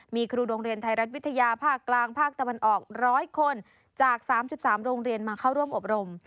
มีครูโรงเรียนไทยรัฐวิทยาภาคกลางภาคตะวันออก๑๐๐คนจาก๓๓โรงเรียนมาเข้าร่วมอบรม